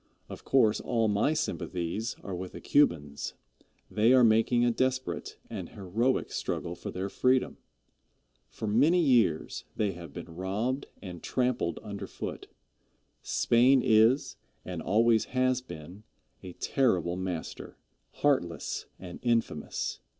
Of course, all my sympathies are with the Cubans. They are making a desperate an heroic struggle for their freedom. For many years they have been robbed and trampled under foot. Spain is, and always has been, a terrible master heartless and infamous.